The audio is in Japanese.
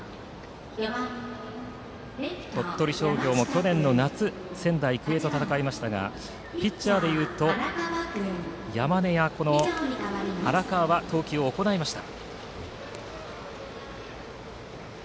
鳥取商業も去年の夏仙台育英と戦いましたがピッチャーでいうと山根や荒川は投球を行いました。